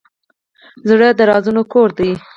زړه د رازونو کور دی.